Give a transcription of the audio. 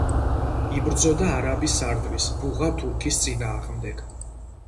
იბრძოდა არაბი სარდლის, ბუღა თურქის წინააღმდეგ.